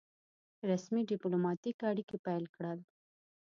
رسمي ډيپلوماټیک اړیکي پیل کړل.